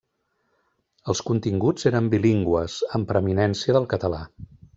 Els continguts eren bilingües, amb preeminència del català.